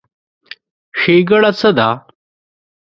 ښېګڼه څه ده؟